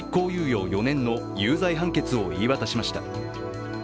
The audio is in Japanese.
猶予４年の有罪判決を言い渡しました。